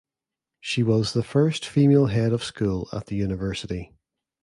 She was the first female Head of School at the university.